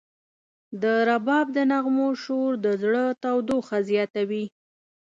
د رباب د نغمو شور د زړه تودوخه زیاتوي.